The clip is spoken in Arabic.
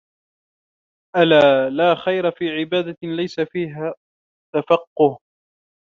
أَلَا لَا خَيْرَ فِي عِبَادَةٍ لَيْسَ فِيهَا تَفَقُّهٌ